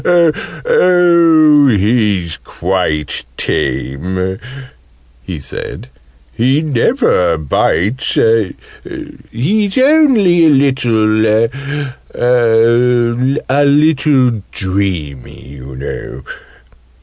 "Oh, he's quite tame!" he said. "He never bites. He's only a little a little dreamy, you know."